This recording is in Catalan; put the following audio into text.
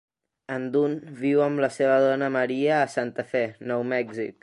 En Dunn viu amb la seva dona Maria a Santa Fe, Nou Mèxic.